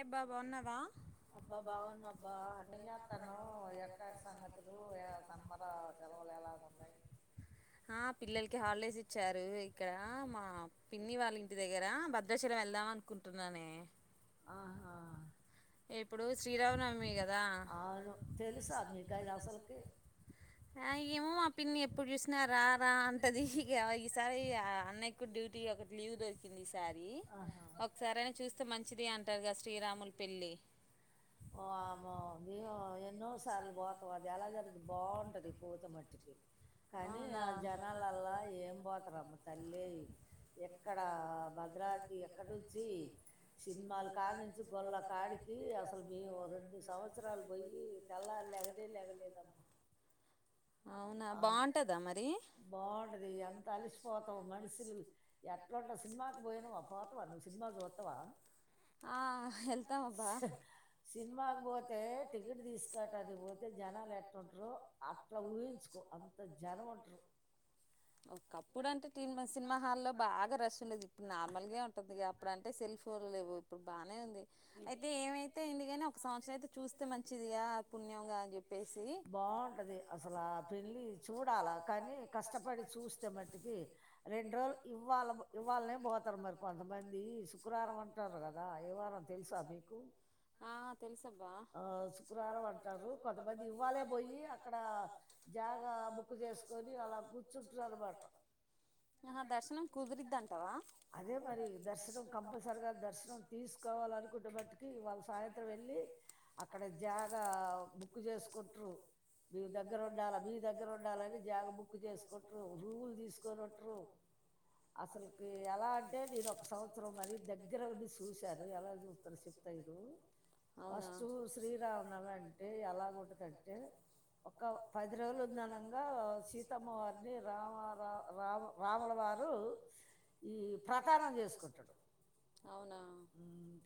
ఏబా బాగున్నావా అబ్బా బాగున్నా అబ్బా ఏంజాతన్నావు ఏటంటి సంగతులు సమ్మర్ సెలవులు ఎలాగ ఆ పిల్లలకి హాలిడేస్ ఇచ్చారు ఇక్కడ మా పిన్ని వాళ్ళ ఇంటి దగ్గర భద్రాచలం వెళ్దాం అనుకుంటున్నానే ఇప్పుడు శ్రీరామా నమి కదా ఏమో మా పిన్ని ఎప్పుడు చూసిన రా రా అంటది ఈగ ఈసారి అన్నయ్యకు డ్యూటీ ఒకటి లీవ్ దొరికింది ఈసారి ఒకసారి అయినా చూస్తే మంచిది అంట ఉంటరుాగా శ్రీరాముుల్ పిల్లి వామ్మో ఎన్నో సార్లు పోతాం అది ఎలా జరుగుది బాగుంటది పూత మట్టుకి కానీ ఆ జనాలల్లా ఏం పోతారుమ్మ తల్లి ఎక్కడ భద్రాది ఎక్కడించిి సినిమలు కాడ నుంచి గొల్ల కాడికి అసలు మేము రెండు సంవత్సరాలు పోయి తెల్లరీ లేగనే లేగలేదమ్మ బాగుంటుందా మరిబాగుంటద మరి బాగుంటది ఎంత అలసిపోతావు మనుషులు ఎట్లుంటారు సినిమాకి పోయినావ పోతావా నువ్వు సినిమా చూస్తావా ఆ వెళ్తాం అబ్బా సినిమాకి పోతే టికెట్ తీసుకట్టనికి పోతే జనాలు ఎట్లుంటారో అట్లా ఊహించుకో అంత జనం ఉంట్రూ ఒకప్పుడు అంటే టీనిమ సినిమా హాల్లో బాగా రష్ ఉండేది ఇప్పుడు నార్మల్గే ఉంటుంది అప్పుడ అంటే సెల్ఫోన్లు లేవు ఇప్పుడు బానే ఉంది అయితే ఏమైతే ఎందుకని ఒక సంవత్సరం అయితే చూస్తే మంచిదిగా పుణ్యంగా అని చెప్పేది బాగుంటది అసలా వెళ్ళి చూడాల కానీ కష్టపడి చూస్తే మట్టుకి రెండు రోజులు ఇవ్వాల ఇవ్వాలనే పోతారు మరి కొంతమంది శుక్రవారం అంటారు కదా ఏవారం ఇస్సా మీకు ఆ శుక్రవారం అంటారు కొంతమంది ఇవ్వాలే పోయి అక్కడ అ బుక్ చేసుకొని అలా కూర్చుట అదే మరి దర్శనం కంపల్సరిగా దర్శనం తీసుకు నుకుట్కి వాళ్ళ సాయంత్రం వెళ్ళి అక్కడ జాగ బుక్ చేసుకుంటారు మీ దగ్గర ఉ దగ్గర ఉండాలని జాగ బుక్ చేసుకుంటారు రూల్ తీసుకనిారు అసలుకి ఎలా అంటే నేను ఒక సంవత్సరం మర దగ్గరండి చూ ఎలా చూస్తారు శప్తయ్యరు ఫస్ట్ శ్రీరామన అంటే ఎలాగంటదింటే ఒక ద్రగులు జనంగా సీతమ్మవారిని రామ రా రా రాముల వారు ఈ ప్రథానం చేసుకుంటాడు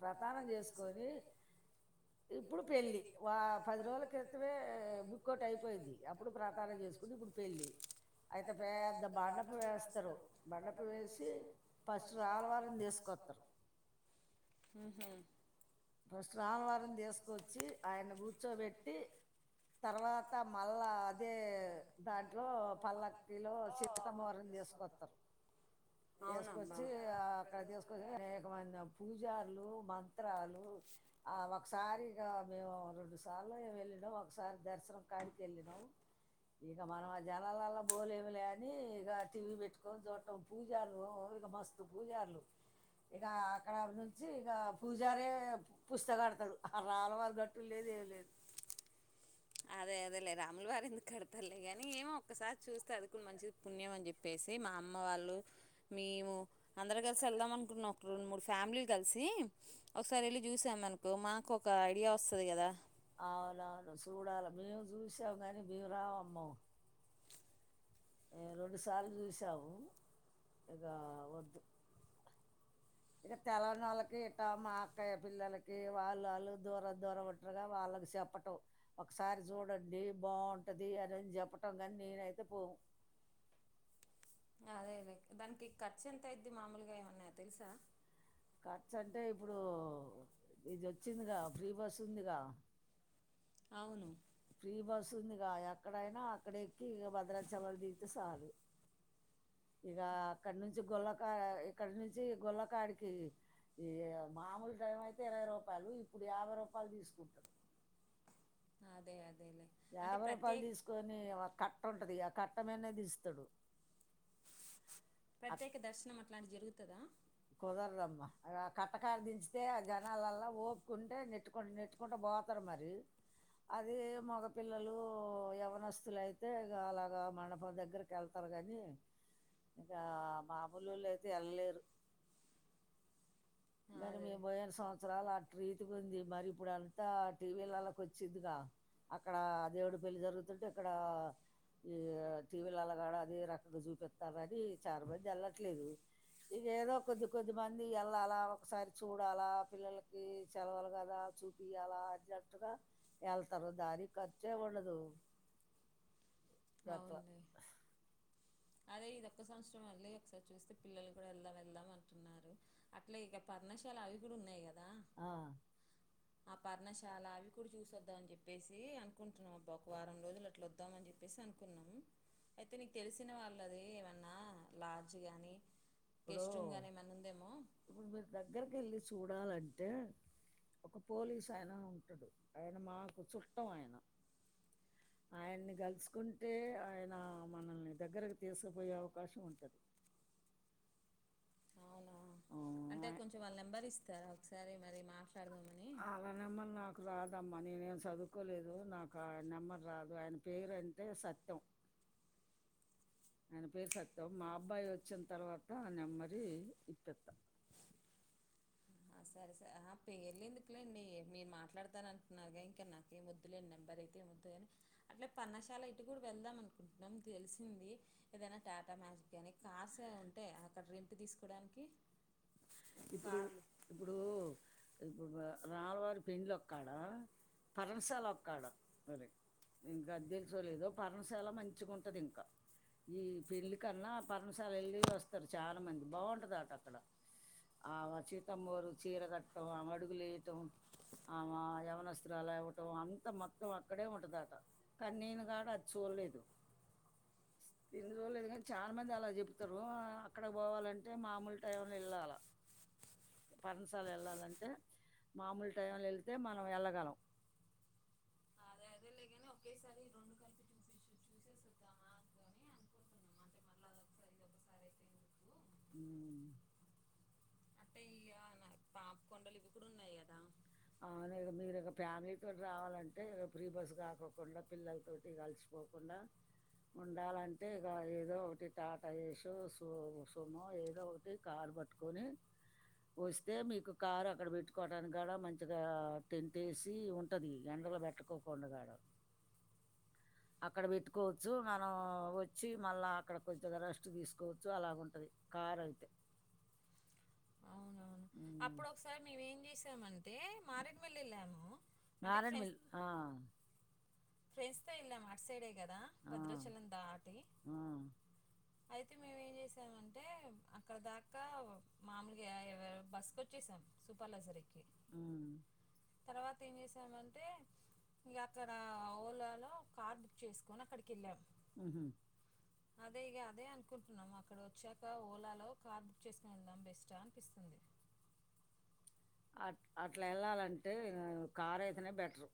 ప్రథానం చేసుకొని ఇప్పుడు పెళ్ళి పది రోజుల క్రితమే బుక్ౌట్ అయిపోయింది అప్పుడు ప్రధాన చేసుకుంట కూర్చొంది ఇప్పుడు పెళ్ళి అయితే పెద్ద బండప వేస్తారు బండప వేసి ఫస్ట్ రాలవారిని తీసుకొస్తారు ఉహు ఫస్ట్ రామవారిని తీసుకొచ్చి ఆయన కూర్చోబెట్టి తర్వాత అ మళ్ళా అదే దాంట్లో పల్లకిలో సీతమ్మ వారిని తీసుకొస్తారు తీసుకొచ్చి అక్కడ తీసుకొచ్చి అనేకమైన పూజలు మంత్రాలు ఆ ఒకసారిగా మేము రెండు సార్లు వెళ్ళినము ఒకసారి దర్శనం కాడి వెళ్ళినాం ఇక మనం ఆ జనాలలో బోలేమి లేని ఇక టీవీ పెట్టుకొని చూడటం పూజలు ఇక మస్తు పూజలు ఇక అక్కడ నుంచి ఇక పూజారే అదే అదే లేదు రాములు వారు ఎందుకు కడతారులే కానీ ఏమో ఒక్కసారి చూస్తే అది కూడా మంచిది పుణ్యం అని చెప్పేసి మా అమ్మ వాళ్ళు మేము అందరు కలిసి వెళ్దాం అనుకుంటున్నా ఒక రెండు మూడు ఫ్యామిలీ కలిసి ఒకసారి వెళ్ళి చూసాం అనకు మాకు ఒక ఐడియా వస్తుది కదా అంగని బీవ రావమ్మ రెండుసార్లు చూసాము ఇక వద్దు ఇక తెలణ వాళ్ళకి ఇట్ట మా అక్కయ్య పిల్లలకి వాళ్ళు వాళ్ళు దూర దూరం ఒటారుగా వాళ్ళకి చెప్పటం ఒకసారి చూడండి బాగుంటుంది అనిని చెప్పటం కాని నేనైతే పో అదే దానికి ఖర్చు ఎంత అయిద్ది మామూలుగా ఏ ఉన్నాయా తెలుసా ఖర్చు అంటే ఇప్పుడు ఇది వచ్చిందిగా ఫ్రీ బస్ ఉందిగా ఫ్రీ బస్ ఉందిగా ఎక్కడైనా అక్కడ ఎక్కి ఇక భద్రాచలాలు దిగితే చాలు ఇక అక్కడ నుంచి గొల్లకా ఇక్కడి నుంచి గొల్లకాడికి ఈ మామూలు టైం అయితే ఇరవై రూపాయలు ఇప్పుడు యాభై రూపాయలు తీసుకుంటాడు అదే యాభై రూపాయలు తీసుకొని ఒక కట్ట ఉంటుది ఆ కట్ట మీనే దిస్తాడు ప్రత్యేక దర్శనం అట్లాంటి జరుగుతుందా కుదరదమ్మ కట్టకారు దించతే ఆ జనాలల్లా ఊపుకుంటే నెట్టుకు నెట్టుకుంటూ పోతారు మరి అది మగపిల్లలు యవ్వనస్తులు అయితే ఇ అలాగ మండపం దగ్గరికి వెళ్తారు కానీ ఇకా మాముల్లోళ్లు అయితే వెళ్ళలేరు మరి మేము పోయిన సంవత్సరాలు ఆట్ రీతిగా ఉంది. మరి ఇప్పుడు అంతా టీవీలలకి వచ్చిందిగా, అక్కడ దేవుడు పెళ్లి జరుగుతుంటే, ఇక్కడ ఈ టీవీలలా కాడ అదే రకంగా చూపిస్తారుని, చాలా మంది వెళ్లట్లేదు. ఇక ఏదో కొద్ది కొద్ది మంది వెళ్ళాల ఒకసారి చూడాలా పిల్లలకి సెలవలు కదా చూపియాలా, అర్జెంట్టుగా వెళ్తారు దానికి ఖర్చే ఉండదు. గట్లా హ్ అదే ఇదొక్క సంవత్సరం అల్ళ ఒకసారి చూస్తే పిల్లలు కూడా వెళ్దాం వెళ్దాం అంటున్నారు అట్లే ఇక పర్ణశాల అవి కూడా ఉన్నాయి కదా ఆ ఆ పర్ణశాల అవి కూడా చూసోద్దాం అని చెప్పేసి అనుకుంటున్నాం అబ్బా ఒక వారం రోజులు అట్లా వద్దాంమని చెప్ప చెప్పేసి అనుకున్నాం అయితే నీకు తెలిసిన వాళ్ళది ఏమన్నా లాడ్జ్ గానీ ఇప్పుడు ఇప్పుడు మీరు దగ్గరకి వెళ్ళి చూడాలంటే ఒక పోలీసు ఆయన ఉంటడు ఆయన మాకు చుష్టం ఆయన ఆయన్ని గలుసుకుంటే ఆయన్ నా మనల్ని దగ్గరకి తీసుకుపోయే అవకాశం ఉంటది. అవునా అంటే కొంచెం వాళ్ళ నెంబర్ ఇస్తారా. ఒకసారి మరి మాట్లాడుదాం ఆళ్ళ నెంబర్ నాకు రాదమ్మా, నేనేం సదువుకోలేదు నాకు ఆయన నెంబర్ రాదు. ఆయన పేరు అంటే సత్యం ఆయన పేరు సత్ మా అబ్బాయి వచ్చిన తర్వాత నెంబరు ఇప్పిత్ సరే సరే పేర్లు ఎందుకులేండి. మీరు మాట్లాడతాను అంటున్నారుగా ఇంకా నాకేం వద్దులేండి. నెంబర్ అయితే ఏం వద్దు కాని అట్లే పన్నశాల ఇటు కూడా వెళ్దాం అనుకుంటున్నాం తెలిసింది. ఏదైనా టాటా మ్యాజిక్ కానీ కార్స్ ఏమైనా ఉంటాయా. అక్కడ రెంట్ తీసుకోవడానికి ఇప్పుడు ఇప్పుడు ఇప్పుడు రాములవారి పెండ్లి ఒక్కాడ, పర్ణశాల ఒక్కాడ మరి ఇంక అది తెలుసోలేదో పర్ణశాల మంచిగా ఉంటది. ఇంకా ఈ పెళ్ళి కన్నా పర్ణశాల వెళ్ళి వస్తారు చాలా మంది బాగుంటదట, అక్కడ స్ ఆ సీతమ్మోరు చీర కట్టుకొం ఆమడుగులేయ్ ఇత్తం ఆమె యవనాస్త్రాలు ఇవ్వటం అంత మొత్తం అక్కడే ఉంటదట, కానీ నేను కాడ అది చూడలేదు. ఇన్ని రోజులు లేదు కానీ చాలా మంది అలా చెబుతారు అక్కడకి పోవాలంటే మామూలు టైంలో వెళ్ళాల పర్ణశాల వెళ్ళాలంటే మామూలు టైంలో వెలితే మనం వెళ్ళగలం అదే లేగాని ఒకేసారి రెండు కలిపి చూసి చూసేసోద్దామా అని అనుకుంటున్నాము అంటే మళ్ళా అదొకసారి ఇదొకసారి అయితే ఎందుకు హ్మ్ అట్టే ఈయా పాపి కొండలు ఇవి కూడా ఉన్నాయి కదా ఆ మీర్ మీరు ఒక ఫ్యామిలీతోటి రావాలంటే ఫ్రీ బస్ కాకోకుండా పిల్లలతోటి కలిసిపోకుండా ఉండాలంటే ఇక ఏదో ఒకటి టాటా ఏసో సుమో ఏదో ఒకటి కారు పట్టుకొని వస్తే మీకు కారు అక్కడ పెట్టుకోవడానికి కూడా మంచి కొద్దిగా టెంటేసి ఉంటది ఎండలో పెట్టుకోకుండాగాడ అక్కడ పెట్టుకోవచ్చు మనం వచ్చి మళ్ళా అక్కడ కొద్దిగా రెస్ట్ తీసుకోవచ్చు అలాగుంటది కార్ అయితే అవునవును అప్పుడు ఒకసారి మేమేం చేసామంటె అంటే మారేడ్మిల్లి వెళ్ళాము మారేడ్మిల్లి ఆ ఫ్రెండ్స్ తో ఎల్లాం అటుసైడే కదా భద్రాచలం దాటి అయితే మేము ఏం చేసామంటే అక్కడి దాకా మామూలుగా బస్కు వచ్చేసాం సూపర్ లగ్జరీకి హ్మ్ తర్వాత ఏం చేసామంటే ఇగ అక్కడ ఓలాలో కార్ బుక్ చేసుకొని అక్కడికి వెళ్ళాము హ్మ్ హు అదే ఇగ అదే అనుకుంటున్నాం అక్కడ వచ్చాక ఓలాలో కార్ బుక్ చేసుకుని వెళ్దాం బెస్టా అనిపిస్థాంది. అట్ అట్లా వెళ్ళాలంటే కారు అయితేనే బెటర్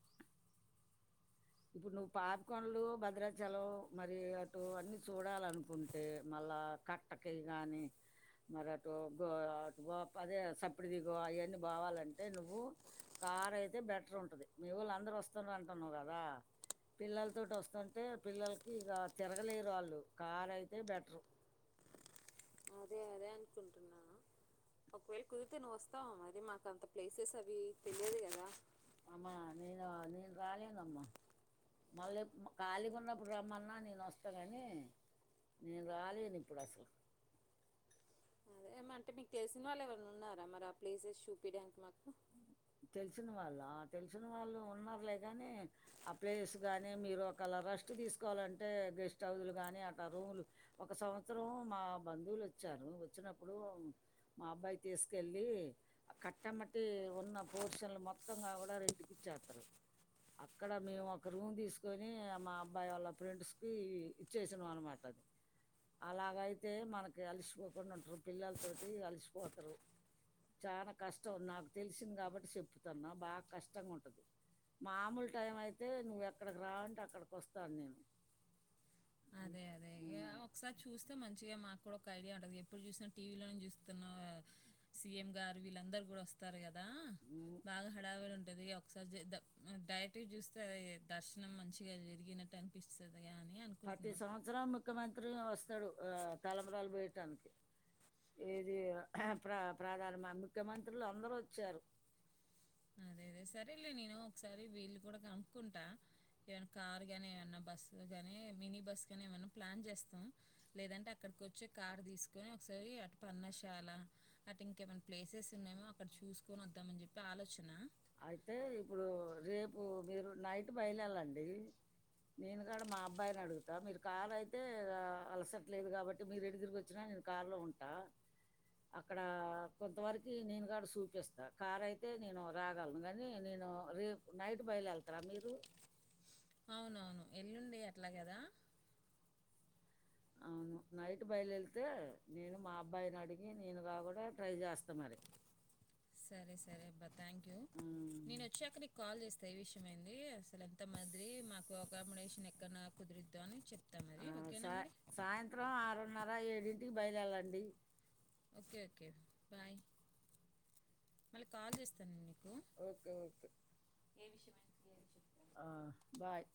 ఇప్పుడు నువ్వు పాపికొండలు భద్రాచలం మరి అటు అన్నీ చూడాలనుకుంటే మళ్ళా కట్టకి కానీ మరి అటు గో అటు గో అదే సప్పడిదిగో అవన్నీ బోవాలంటే నువ్వు కారయితే బెటరుంటది మీ వాళ్ళు అందరు వస్తున్నారంటన్నావు కదా పిల్లలతోటి వస్తుంటే పిల్లలకి ఇక తిరగలేరు వాళ్ళు కారు అయితే బెటర్ అదే అదే అనుకుంటున్నా ఒకవేళ కుదిరితే నువ్వు వస్తావ మరి మాకు అంత ప్లేసెస్ అవి తెలియదు కదా అమ్మ నేను నేను రాలేనమ్మా మళ్ళీ ఖాళీగా ఉన్నప్పుడు రమ్మన్నా నేను వస్తా కానీ నేను రాలేను ఇప్పుడు అసలు అదేమంటే మీకు తెలిసిన వాళ్ళు ఎవన్నా ఉన్నారా మరి ప్లేసెస్ చూపీడానికి మాకు తెలిసిన వాళ్ళు తెలిసిన వాళ్ళు ఉన్నారులే కానీ ఆ ప్లేస్ గానీ మీరు ఒకేలా రెస్ట్ తీసుకోవాలంటే గెస్ట్ హౌస్లు కానీ అట్లా రూములు ఒక సంవత్సరం మా బంధువులు వచ్చారు వచ్చినప్పుడు మా అబ్బాయి తీసుకెళ్ళి కట్ట ఎమ్మటే పోర్షన్లు మొత్తంగాకూడా రెంట్కి ఇచ్చేస్తారు అక్కడ మేము ఒక రూమ్ తీసుకొని మా అబ్బాయి వాళ్ళ ఫ్రెండ్స్ కి ఇచ్చేసాం అనమాట అలాగయితే మనకి అలిసిపోకుండా ఉంటారు పిల్లల తో టి అలిసిపోతారు చాల కష్టం నాకు తెలిసింది కాబట్టి చెప్తున్నా బాగా కష్టంగా ఉంటుంది మామూలు టైం అయితే నువ్వు ఎక్కడికి రా అంటే అక్కడికి వస్తాను నేను అదే అదేగా ఒకసారి చూస్తే మంచిగా మాకు కూడా ఒక ఐడియా ఉంటది. ఎప్పుడు చూసిన టీవీలో చూస్తున్నావ్, సిఎం గారు వీళ్ళందరు కూడా వస్తారు కదా కదా బాగా హడావిడి ఉంటది ఒక ఒకసారి డైరెక్ చూస్తే దర్శనం మంచిగా జరిగినట్టు అనిపిస్తుందిగా అని పతి సంవత్సరం ముఖ్యమంత్రి వస్తాడు. ఆ తలంబ్రాలు పోయటానికి ఇది ప్ర ప్రధానమ ముఖ్యమంత్రులు అందరూ వచ్చారు. అదే అదే సరేలే నేను ఒకసారి వీళ్ళు కూడా కనుక్కుంటా ఏమైనా కార్ కాని ఏమైన్నా బస్సు నీ మినీ బస్ కాని ఏమన్నా ప్లాన్ చేస్తాం లేదంటే అక్కడికి వచ్చి కార్ తీసుకొని ఒకసారి అటు పర్న్నశాల అటు ఇంకేమనా ప్లేసెస్ ఉన్నామో అక్కడ చూసుకొని వద్దామని చెప్పి ఆలోచన అయితే ఇప్పుడు రేపు మీరు నైట్ బైదేరాలండి నేను కూడా మా అబ్బాయిని అడుగుతా మీరు కారు అయితే అలస లేదు కాబట్టి మీరు ఎటు తిరిగి వచ్చినా నేను కార్ లో ఉంటా. అక్కడ కొంత వరకి నేను కూడా చూపిస్తా కారయితే అయితే నేను రాగలను గానీ నేను రేపు నైట్ బయలుదేళ్తారా మీరు అ ఎల్లుండి అట్లా కదా అవును నైట్ బయలు దేరితే నేను మా అబ్బాయిని అడిగి నేను కా కూడా ట్రై చేస్తా మరి అసలు ఎంత మంది మాకు అకామడేషన్ ఎక్కడనా కుదురుద్దా అని చెప్ప ఆ సా సాయంత్రం ఆరు న్నర ఏడింటికి బయలెల్లండి ఓకే ఓకే బాయ్ మళ్ళీ కాల్ చేస్తానండి ఓకే ఓకే ఓ ఆ బాయ్